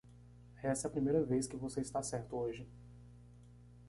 Essa é a primeira vez que você está certo hoje.